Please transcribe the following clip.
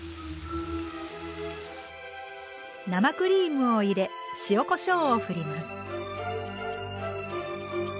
生クリームを入れ塩・こしょうをふります。